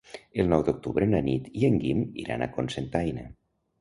El nou d'octubre na Nit i en Guim iran a Cocentaina.